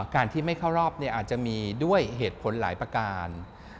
การที่ไม่เข้ารอบอาจจะมีด้วยเหตุผลหลายประการ